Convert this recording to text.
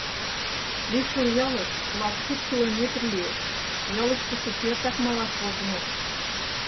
Лишыл ялыш латкуд километр лиеш, ялыште шукертак малаш возыныт.